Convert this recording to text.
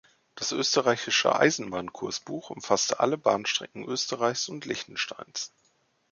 Das Österreichische Eisenbahn-Kursbuch umfasste alle Bahnstrecken Österreichs und Liechtensteins.